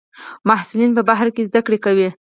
محصلین په بهر کې زده کړې کوي.